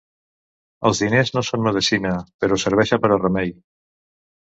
Els diners no són medecina, però serveixen per a remei.